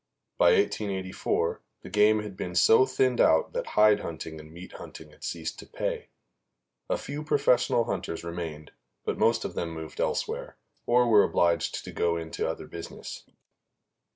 By 1884 the game had been so thinned out that hide hunting and meat hunting had ceased to pay. A few professional hunters remained, but most of them moved elsewhere, or were obliged to go into other business.